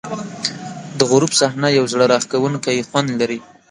د غروب صحنه یو زړه راښکونکی خوند لري.